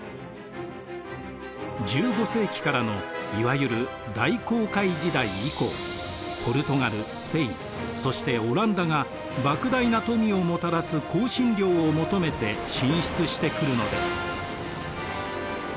１５世紀からのいわゆる大航海時代以降ポルトガルスペインそしてオランダがばく大な富をもたらす香辛料を求めて進出してくるのです。